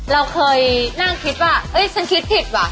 เราเคยนั่งคิดว่าฉันคิดผิดว่ะ